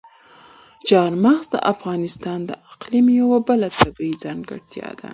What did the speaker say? چار مغز د افغانستان د اقلیم یوه بله طبیعي ځانګړتیا ده.